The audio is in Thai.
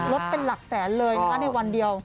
ลดเป็นหลักแสนเลยนะคะในวันเดียว